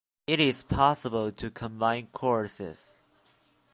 It is possible to combine courses.